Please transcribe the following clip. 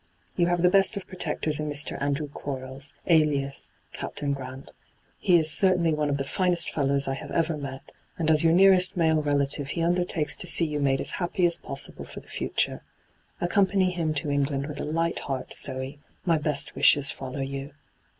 ' You have the best of protectors in Mr. Andrew Quarles (alias Captain Grant). He is certainly one of the finest fellows I have ever met, and as your nearest male relative he undertakes to see you made as happy aa possible for the future. Accompany him to England with a light heart, Zoe : my best wishes follow you.